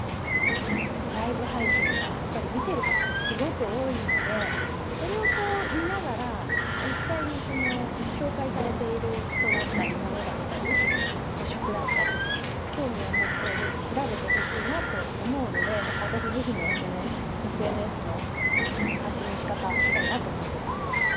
ライブ配信が、やっぱり見てる方がすごく多いので、それを見ながら、実際に紹介されている人だったり物だったり、食だったり、興味を持って、ぜひ調べてほしいなと思うので、私自身のＳＮＳの発信のしかた、したいなと思ってます。